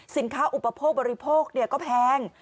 สินค้าอุปโภคบริโภคก็แพง